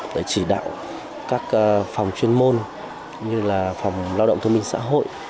để chỉ đạo các phòng chuyên môn như là phòng lao động thương minh xã hội